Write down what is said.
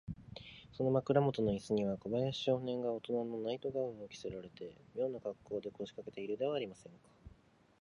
その枕もとのイスには、小林少年がおとなのナイト・ガウンを着せられて、みょうなかっこうで、こしかけているではありませんか。